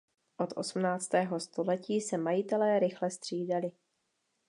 Od osmnáctého století se majitelé rychle střídali.